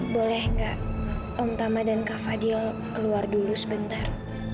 boleh gak omtama dan kak fadil keluar dulu sebentar